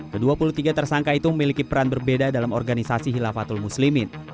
ke dua puluh tiga tersangka itu memiliki peran berbeda dalam organisasi hilafatul muslimin